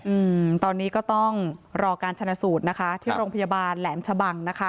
อืมตอนนี้ก็ต้องรอการชนะสูตรนะคะที่โรงพยาบาลแหลมชะบังนะคะ